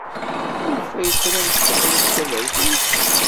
Maɣef ay tramt taɣlust taberkant?